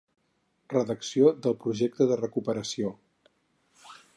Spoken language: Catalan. Redacció del projecte de recuperació.